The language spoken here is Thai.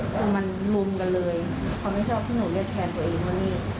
คือมันลุมกันเลยเขาไม่ชอบที่หนูเรียกแทนตัวเองว่านี่